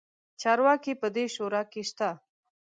چارواکي په دې شورا کې شته.